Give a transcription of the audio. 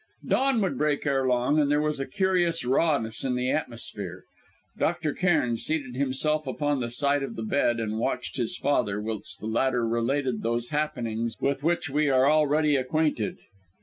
Dawn would break ere long, and there was a curious rawness in the atmosphere. Robert Cairn seated himself upon the side of the bed, and watched his father, whilst the latter related those happenings with which we are already acquainted.